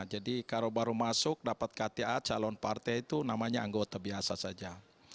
jadi kalau baru masuk dapat kta calon partai itu namanya anggota biasa saja